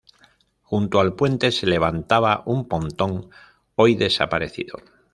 Junto al puente se levantaba un pontón, hoy desaparecido.